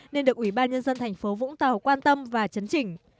nên được ủy ban nhân dân thành phố vũng tàu quan tâm và chấn chỉnh